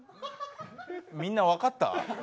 みんな分かった？